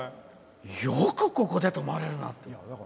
よくここで止まれるなって。